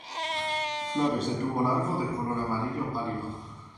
Flores de tubo largo de color amarillo pálido.